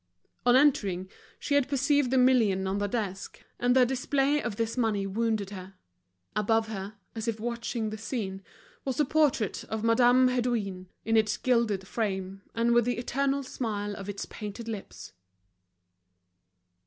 On entering, she had perceived the million on the desk, and the display of this money wounded her. Above her, as if watching the scene, was the portrait of Madame Hédouin, in its gilded frame, and with the eternal smile of its painted lips.